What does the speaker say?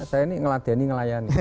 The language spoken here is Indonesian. saya ini ngeladeni ngelayani